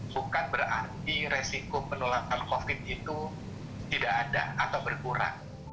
bukan berarti resiko penularan covid itu tidak ada atau berkurang